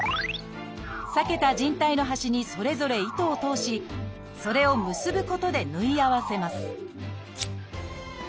裂けた靭帯の端にそれぞれ糸を通しそれを結ぶことで縫い合わせます